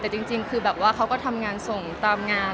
แต่จริงคือเขาก็ทำงานส่งตามงานอยู่